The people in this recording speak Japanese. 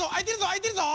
あいてるぞ！